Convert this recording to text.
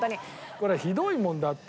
これひどいもんだって。